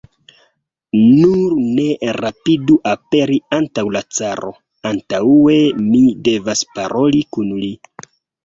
Nur ne rapidu aperi antaŭ la caro, antaŭe mi devas paroli kun li.